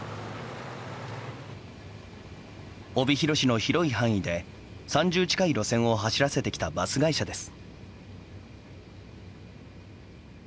帯広市の広い範囲で３０近い路線を走らせてきたバス会社です。